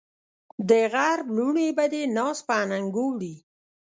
دغرب لوڼې به دې ناز په اننګو وړي